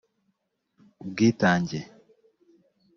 ubwitange